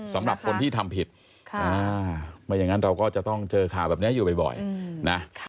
สำหรับคนที่ทำผิดไม่อย่างนั้นเราก็จะต้องเจอข่าวแบบนี้อยู่บ่อยนะ